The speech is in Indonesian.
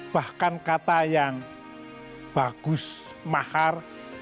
bahkan kata yang bagus mahar